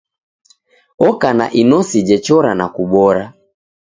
Oka na inosi jechora na kubora.